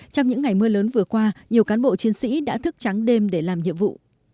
trong những ngày mưa lớn vừa qua nhiều cán bộ chiến sĩ đã thức trắng đêm để làm nhiệm vụ